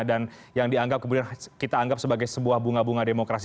dan yang dianggap kita anggap sebagai sebuah bunga bunga demokrasi